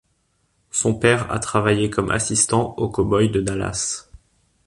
Son père a travaillé comme assistant aux Cowboys de Dallas.